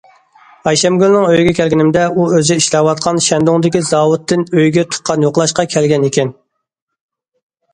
ئايشەمگۈلنىڭ ئۆيىگە كەلگىنىمدە، ئۇ ئۆزى ئىشلەۋاتقان شەندۇڭدىكى زاۋۇتتىن ئۆيىگە تۇغقان يوقلاشقا كەلگەن ئىكەن.